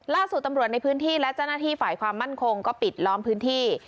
ล่าสุดตำรวจในพื้นที่และเจ้าหน้าที่ฝ่ายความมั่นคงก็ปิดล้อมพื้นที่